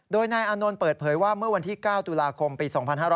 โดยนายอานนท์เปิดเผยว่าเมื่อวันที่๙ตุลาคมปี๒๕๕๙